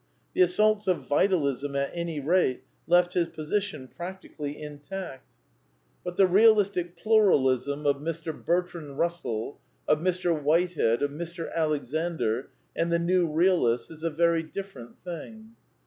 The assaults of Vitalism, at any rate, left his position practically intact. But the xii INTRODUCTION Kealistic Pluralism of Mr. Bertrand Russell, of Mr. Whitehead, of Mr. Alexander and the New Realists is a very different thing.